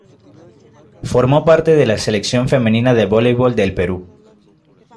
Formó parte de la Selección femenina de voleibol del Perú.